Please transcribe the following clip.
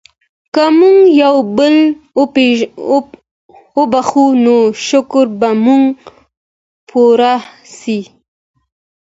که موږ یو بل وبښو نو شکر به مو پوره سي.